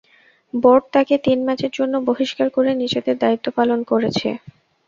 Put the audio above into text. Board তাঁকে তিন ম্যাচের জন্য বহিষ্কার করে নিজেদের দায়িত্ব পালন করেছে।